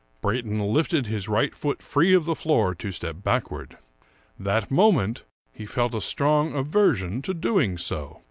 Brayton lifted his right foot free of the floor to step backward. That moment he felt a strong aversion to doing so.